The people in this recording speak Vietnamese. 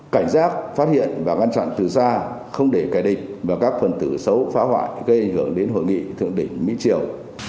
cảnh giác phát hiện và ngăn chặn từ xa không để kẻ địch và các phần tử xấu phá hoại gây ảnh hưởng đến hội nghị thượng đỉnh mỹ triều